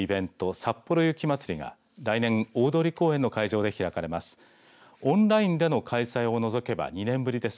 さっぽろ雪まつりが、来年大通公園の会場で開かれます。